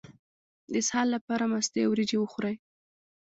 د اسهال لپاره مستې او وریجې وخورئ